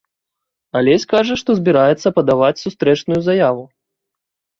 Алесь кажа, што збіраецца падаваць сустрэчную заяву.